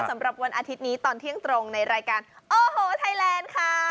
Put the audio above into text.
สำหรับวันอาทิตย์นี้ตอนเที่ยงตรงในรายการโอ้โหไทยแลนด์ค่ะ